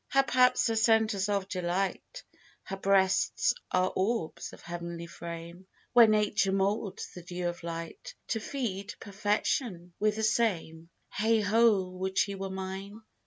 Her paps are centres of delight, Her breasts are orbs of heavenly frame, Where Nature moulds the dew of light To feed perfection with the same: Heigh ho, would she were mine!